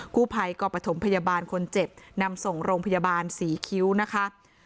กู้ภัยก็ประถมพยาบาลคนเจ็บนำส่งโรงพยาบาลศรีคิ้วนะคะ